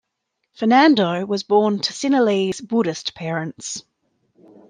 Fernando was born to Sinhalese Buddhist parents.